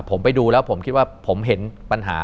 ผมไปดูแล้วผมคิดว่าผมเห็นปัญหา